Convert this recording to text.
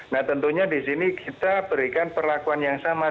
nah tentunya disini kita berikan perlakuan yang sama